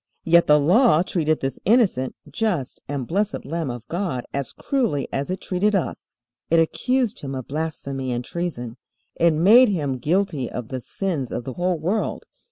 Yet the Law treated this innocent, just, and blessed Lamb of God as cruelly as it treated us. It accused Him of blasphemy and treason. It made Him guilty of the sins of the whole world.